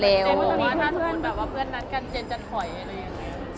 อเรนนี่แบบว่าเพื่อนนั้นกันเจนจะถอยอะไรอย่างนี้